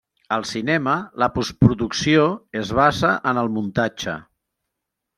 Al cinema, la postproducció es basa en el muntatge.